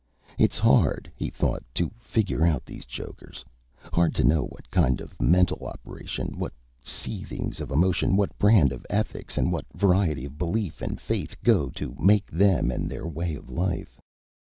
It's hard, he thought, to figure out these jokers, hard to know what kind of mental operation, what seethings of emotion, what brand of ethics and what variety of belief and faith go to make them and their way of life.